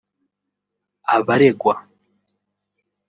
Abaregwa